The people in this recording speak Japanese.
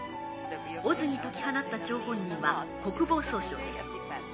ＯＺに解き放った張本人は国防総省です。